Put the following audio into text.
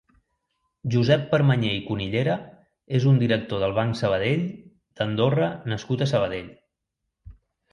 Josep Permanyer i Cunillera és un director del BancSabadell d'Andorra nascut a Sabadell.